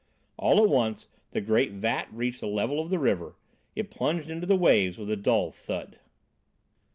All at once the great vat reached the level of the river. It plunged into the waves with a dull thud.